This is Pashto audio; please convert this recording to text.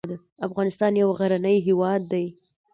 افغانستان يو غرنی هېواد دی